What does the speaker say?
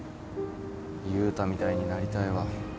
悠太みたいになりたいわ。